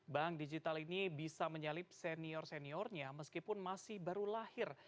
bank digital ini bisa menyalip senior seniornya meskipun masih baru lahir